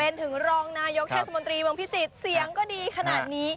เป็นถึงรองนายกเทศมนตรีเมืองพิจิตรเสียงก็ดีขนาดนี้